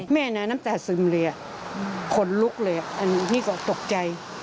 แม่เนี่ยน้ำตาซึมเลยอะขนลุกเลยอะอันนี้ก็ตกใจ